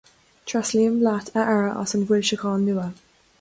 Tréaslaím leat a Aire as an bhfoilseachán nua.